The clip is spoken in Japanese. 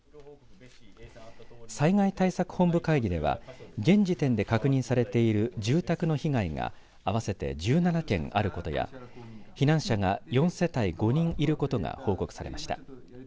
災害対策本部会議では現時点で確認されている住宅の被害が合わせて１７軒あることや避難者が４世帯５人いることが報告されました。